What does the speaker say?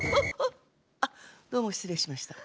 あっどうもしつれいしました。